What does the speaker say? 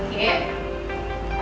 ini ada apaan sih